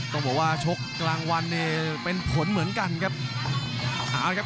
ต้องบอกว่าชกกลางวันเป็นผลเหมือนกันครับ